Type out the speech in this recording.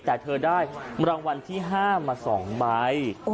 แต่เธอได้รางวัลที่๕มา๒ใบ